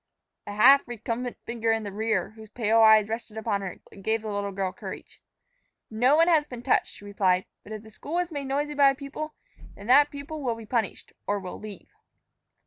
A half recumbent figure in the rear, whose pale eyes rested upon her, gave the little girl courage. "No one has been touched," she replied. "But if the school is made noisy by a pupil, then that pupil will be punished, or will leave."